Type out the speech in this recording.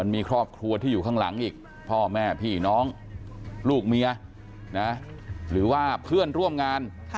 มีครอบครัวที่อยู่ข้างหลังอีกพ่อแม่พี่น้องลูกเมียหรือว่าเพื่อนร่วมงาน